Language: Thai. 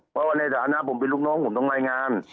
เพราะว่าในฐานะผมเป็นลูกน้องผมต้องรายงาน